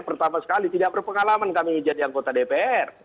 pertama sekali tidak berpengalaman kami jadi anggota dpr